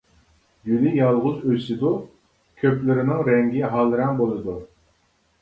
گۈلى يالغۇز ئۆسىدۇ، كۆپلىرىنىڭ رەڭگى ھال رەڭ بولىدۇ.